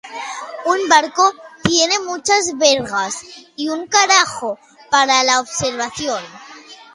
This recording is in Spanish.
Un barco tiene muchas vergas y un carajo para la observación.